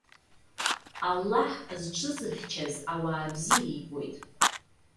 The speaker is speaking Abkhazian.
Аллаҳ, зҽызыхьчаз ауаа бзиа ибоит.